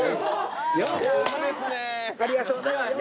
ありがとうございます。